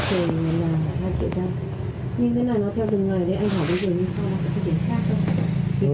cái cầu là hai triệu đồng